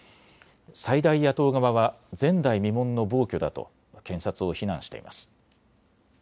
最大野党側は前代未聞の暴挙だと検察を非難しています。